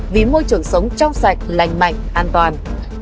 vì môi trường sống trong sạch lành mạnh an toàn